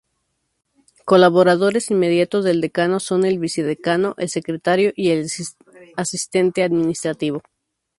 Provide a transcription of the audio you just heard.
Colaboradores inmediatos del decano son el vicedecano, el secretario y el asistente administrativo.